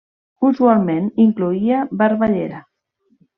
Usualment incloïa barballera.